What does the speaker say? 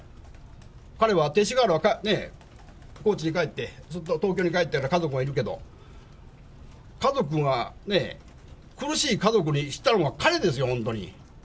彼は、勅使河原は高知に帰って、ずっと東京に帰ったら家族もいるけど、家族が、ね、苦しい家族にしたのは彼ですよ、本当に。